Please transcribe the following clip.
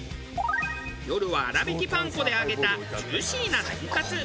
夜は粗びきパン粉で揚げたジューシーなとんかつ。